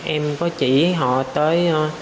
em có chỉ họ tới